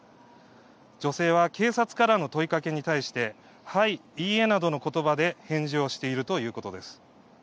女性は警察からの問いかけに対しはい、いいえなどの言葉で返事をしているということです。